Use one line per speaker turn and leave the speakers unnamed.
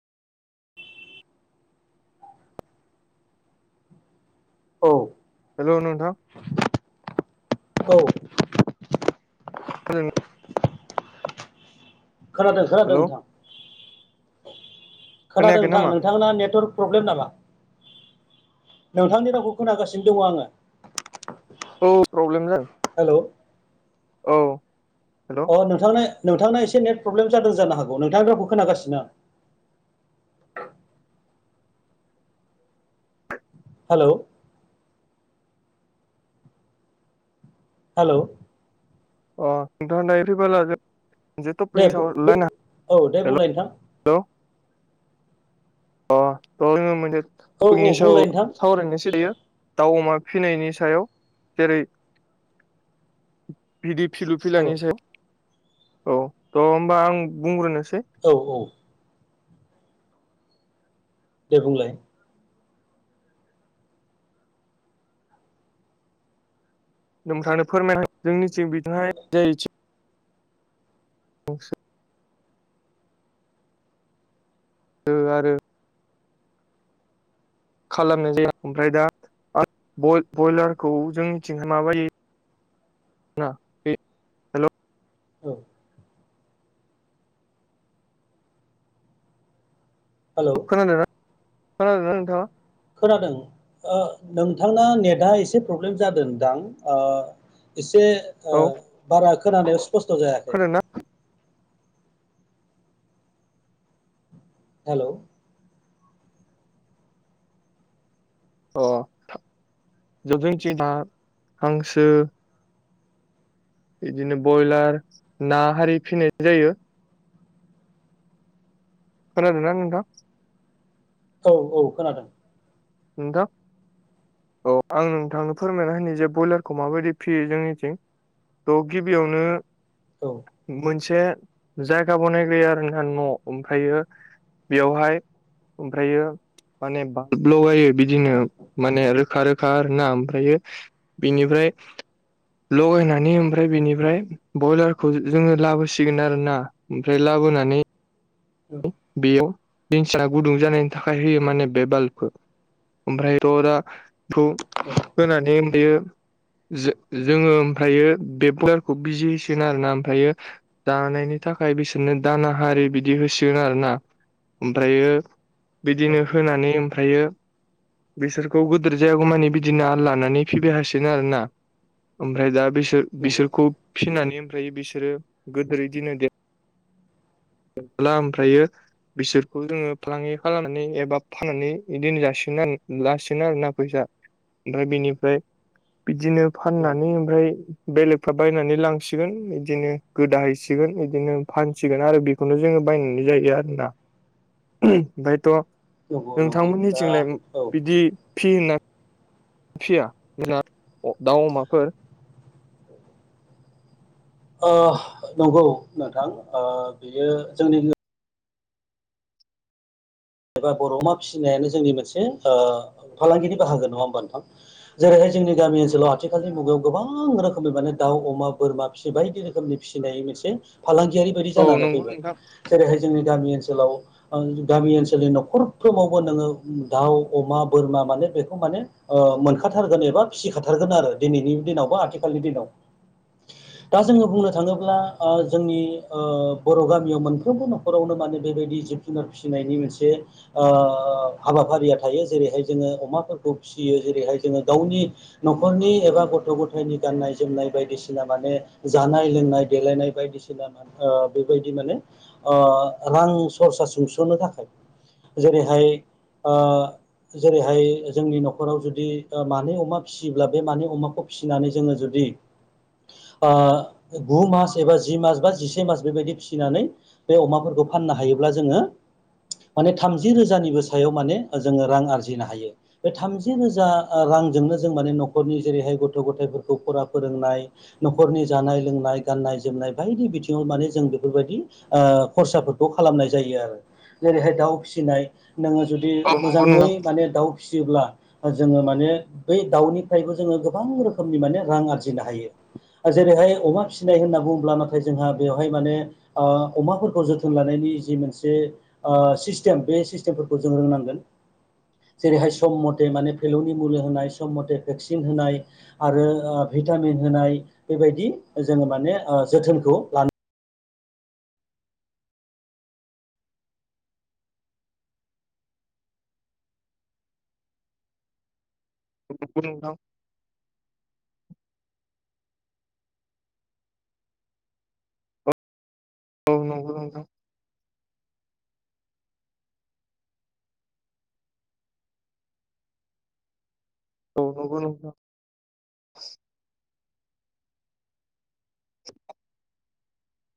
औ
हेलौ नोंथां
खोनादों
हेलौ
खोनादों खोनादों
हेल'
नोंथां खोनादों
खोनायाखै
नोंथां
नामा
नोंथांमोना नेटवर्क प्रब्लेम नामा नोंथांनि रावखौ खोनागासिनो दङ आङो
औ प्रब्लेम जा
हेलौ
औ
अ नोंथांनो नोंथांना एसे नेट प्रब्लेम जादों जानो हागौ नोंथांनि रावखौ खोनागासिनो आं हेलौ हेलौ
[unintelligible] जिथु
दे
प्रिट हब
दे
उलाय ना
औ दे
हेल'
बुंलाय नोंथां
लौ अ जोङो मोनसे
औ औ
टपिकनि सायाव
बुंलाय नोंथां
सावरायनोसै दायो दाउ अमा फिसिनायनि सायाव जेरै भिदि फिलु
औ
फिलानि सायाव औ थ' होमबा आं बुंग्रोनोस
औ औ दे बुंलाय
नोंथांनो फोरमायन जोंनिथिं बिहाय जाय ओ आरो खालामनाय जायो ओमफ्राय दा आरो ब-बयलारखौ जोंनिथिं माबायदि [unintelligible]
औ हेलौ
खोनादोंना खोनादोंना नोंथाङा
खोनादों ओ नोंथांना नेटआ एसे प्रब्लेम जादोंदां ओ एसे ओ
औ
बारा खोनानायाव स्पस्थ' जायाखै
खोनादोंना
हेलौ
अ [unintelligible] हांसो बिदिनो बयलार ना हारि फिनाय जायो खोनादोंना नोंथां
औ औ खोनादों
नोंथां औ आं नोंथांनो फोरमायना होनि जे बयलारखौ माबायदि फियो जोंनिथिं द गिबियावनो
औ
मोन मोनसे जायगा बनायबाय आरो नोंथां न'आव ओमफ्रायो बेयावहाय ओमफ्रायो माने बा लगायो बिदिनो माने रोखा रोख खा आरोना ओमफ्रायो बिनिफ्राय लगायनानै ओमफ्राय बेनिफ्राय बयलारखौ जोङो लाबोसिगोन आरोना ओमफ्राय लाब लाबोनानै
औ
बेयाव बेंसिदा गुदुं जानायनि थाखाय होयो माने बे बाल्बखौ ओमफ्राय ररा थु होनानै ओमफ्रायो जो-जोङो ओमफ्रायो बे बयलारखौ बिजि होसिगोन आरोना ओमफ्रायो जानाय नि थाखाय बिसोरनो दाना हारि बिदि होसि गोन आरोना ओमफ्रायो
औ
बिदिनो होनानै ओमफ्रायो बिसोरखौ गोदोर जायागौमानि बिदिना आल लानानै फिबाय थासिगोन आरोना ओमफ्राय दा बिसोर
नंगौ
बिसोरखौ फिनानै ओमफ्राय बिसोरो गोदोरै दिनो दे माब्ला ओमफ्रायो बिसोरखौ जोङो फालांगि खालामनानै एबा फाननानै इदिनो जासिगोन आरो लासिगोन आरोना फैसा ओमफ्राय बेनिफ्राय बिदिनो
औ
फाननानै ओमफ्राय बेलेगफ्रा बायनानै लांसिगोन इदिनो गोदाहैसिगोन इदिनो फानसिगोन आरो बे बेखौनो जोङो बायनानै जायो आरोना ओमफ्रायथ
नंगौ नंगौ
नोंथांमोननि
दा
थिंलाय
औ
बिदि फि गोनना फिया जोंना दाउ अमाफोर
ओ नंगौ नोंथां बियो जोंनि एबा बर अमा फिसिनायानो जोंनि मोनसे ओ फालांगिनि बाहागो नङा होमबा नोंथां जेरैहाय जोंनि गामि ओनसोलाव आथिखालनि मुगायाव गोबां रोखोमनि माने दाउ बोरमा फिसि बायदि रोखोमनि फिसिनाय मोनसे फालांगियारि बायदि
औ
जानानै
नंगौ
फैबाय
नोंथां
जेरैहाय जोंनि गामि ओनसोलाव गामि ओनसोल जोंनि नखरफ्रोमावबो नोङो दाउ अमा बोरमा माने बेखौ माने मोनखाथारगोन बा फिसिखाथारगोन आरो दिनैनि दिनाव बा आथिखालनि दिनाव दा जोङो बुंनो थाङोब्ला आ जोंनि ओ बर गामियाव मोनफ्रोमबो नखरावनो माने बेबायदि जिब जुनार फिसिनायनि मोनसे आ हाबाफारिया थायो जेरैहाय जोङो अमाफोरखौ फिसियो जेरैहाय जोङो गावनि न'खरनि एबा गथ गथायनि गाननाय जोमनाय बायदिसिना माने जानाय लोंनाय देलायनाय बायदिसिना ओ बेबायदि माने ओ रां सरसा सुंसनो थाखाय जेरैहाय ओ जेरैहाय जोंनि नखराव जुदि मानै अमा फिसियोब्ला बे मानै अमाखौ फिसिनानै जोङो जुदि दि ओ गु मास एबा जि मास बा जिसे मास बेबायदि फिसिनानै बे अमाफोरखौ फाननो हायोब्ला जोङो माने थामजि रोजानिबो सायाव माने जोङो रां आरजिनो हायो बे थामजि रोजा रां जोंनो जों माने नखरनि जेरैहाय गथ गफोरखौ फरा फोरोंनाय नखरनि जानाय लोंनाय गाननाय नाय जोमनाय बायदि बिथिङाव माने जों बेफोरबायदि खरसाफोरखौ खालामनाय जायो आरो जेरैहाय दाउ फिसिनाय नोङो जुदि
औ नंगौ
मोजाङै
नोंथां
माने दाउ फिसियोब्ला जोङो माने बै दाउनिफ्रायबो जोङो गोबां रोखोमनि माने रां आरजिनो हायो जेरैहाय अमा फिसिनाय होनना बुङोब्ला नाथाय जोंहा बेवहाय माने अमाफोरखौ जोथोन लानायनि मोनसे सिस्टेम बे सिस्टेमफोरखौ जों रोंनांगोन जेरैहाय सम मथे माने फेलौनि मुुलि होनाय सम मथे भेक्सिन होनाय आरो भिटामिन होनाय बेबायदि जोङो माने जोथोनखौ लानो
नंगौ नोंथां औ नंगौ नंगौ औ नंगौ नोंथां [inaudible]